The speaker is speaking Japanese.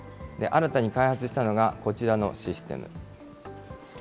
新たに開発したのがこちらのシステム。